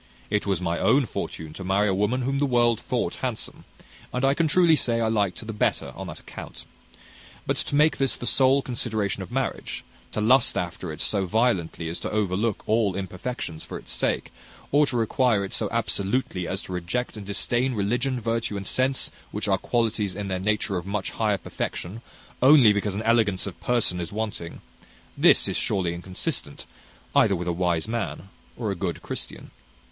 It was my own fortune to marry a woman whom the world thought handsome, and I can truly say I liked her the better on that account. But to make this the sole consideration of marriage, to lust after it so violently as to overlook all imperfections for its sake, or to require it so absolutely as to reject and disdain religion, virtue, and sense, which are qualities in their nature of much higher perfection, only because an elegance of person is wanting: this is surely inconsistent, either with a wise man or a good Christian.